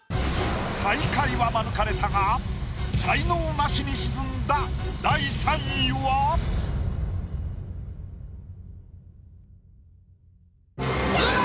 最下位は免れたが才能ナシに沈んだ第３位は⁉ノラ！